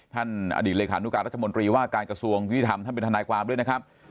ท่านอดีตเลขานุการรัฐมนตรีว่าการกระทรวงยุติธรรมท่านเป็นทนายความด้วยนะครับ